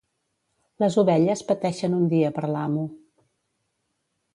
Les ovelles pateixen un dia per l'amo.